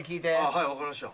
はい分かりました。